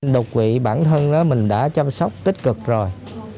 đột quỵ bản thân đó mình đã chăm sóc tích cực rồi